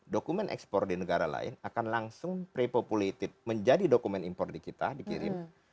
dokumen ekspor di negara lain akan langsung prepopulated menjadi dokumen import di kita dikirim